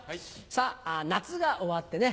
さぁ夏が終わってね